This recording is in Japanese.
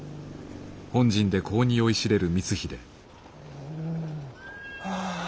うんはあ。